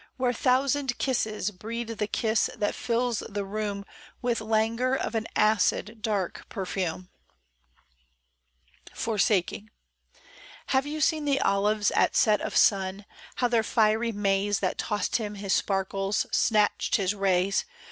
Where thousand kisses breed the kiss That fills the room With languor of an acid, dark perfume 1 FORSAKING. HAVE you seen the olives at set of sun, How their fiery maze. That tossed him his sparkles, snatched his rays.